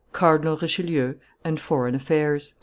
CARDINAL RICHELIEU, AND FOREIGN AFFAIRS.